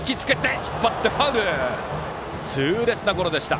痛烈なゴロでした。